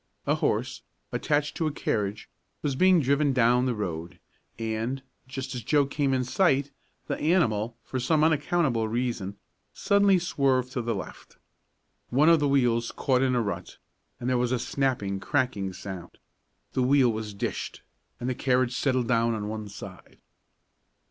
A horse, attached to a carriage, was being driven down the road, and, just as Joe came in sight, the animal, for some unaccountable reason, suddenly swerved to the left. One of the wheels caught in a rut, there was a snapping, cracking sound, the wheel was "dished," and the carriage settled down on one side.